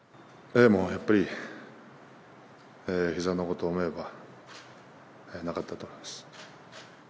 もうやっぱり、ひざのことを思えば、なかったと思います。